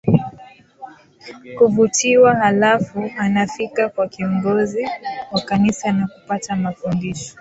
kuvutiwa Halafu anafika kwa kiongozi wa Kanisa na kupata mafundisho